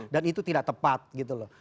dan itu tidak tepat gitu loh